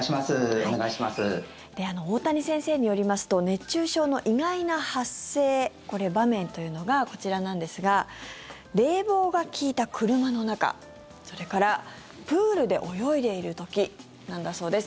大谷先生によりますと熱中症の意外な発生場面というのがこちらなんですが冷房が利いた車の中それから、プールで泳いでいる時なんだそうです。